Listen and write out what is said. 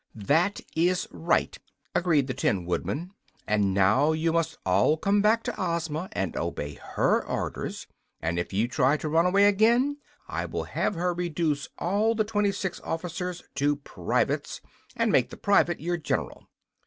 "That is right," agreed the Tin Woodman. "And now you must all come back to Ozma, and obey HER orders. And if you try to run away again I will have her reduce all the twenty six officers to privates, and make the private your general."